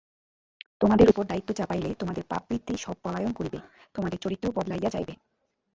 তোমাদের উপর দায়িত্ব চাপাইলে তোমাদের পাপবৃত্তি সব পলায়ন করিবে, তোমাদের চরিত্র বদলাইয়া যাইবে।